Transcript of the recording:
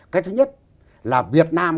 cái thứ nhất là việt nam